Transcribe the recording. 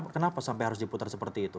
kenapa sampai harus diputar seperti itu